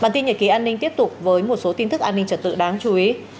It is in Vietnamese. bản tin nhật ký an ninh tiếp tục với một số tin tức an ninh trật tự đáng chú ý